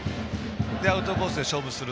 そして、アウトコースで勝負する。